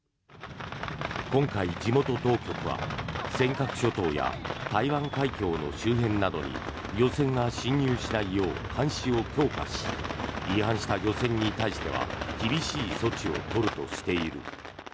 今回、地元当局は尖閣諸島や台湾海峡の周辺などに漁船が侵入しないよう監視を強化し違反した漁船に対しては厳しい措置を取るとしている。